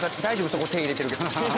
そこ手入れてるけど。